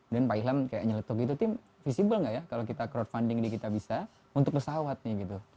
dan pak ilham kayak nyeletuk gitu tim visible nggak ya kalau kita crowdfunding di kitabisa untuk pesawat nih gitu